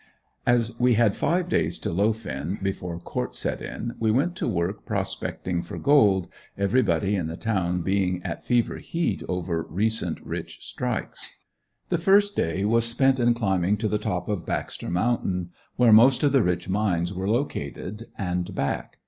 As we had five days to loaf in, before court set in, we went to work prospecting for gold, every body in the town being at fever heat over recent rich strikes. The first day was spent in climbing to the top of Baxter mountain, where most of the rich mines were located, and back.